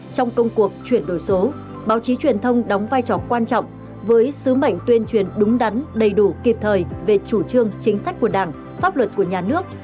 trong công cuộc chuyển đổi số báo chí truyền thông đóng vai trò quan trọng với sứ mệnh tuyên truyền đúng đắn đầy đủ kịp thời về chủ trương chính sách của đảng pháp luật của nhà nước